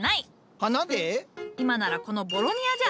今ならこのボロニアじゃ。